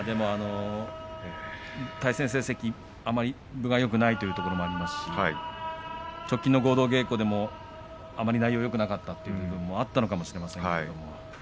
対戦成績あまり分がよくないというところもあるし直近の合同稽古でもあまり内容がよくなかったというのもあったのかもしれません。